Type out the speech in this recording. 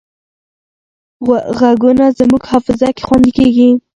غږونه زموږ حافظه کې خوندي کېږي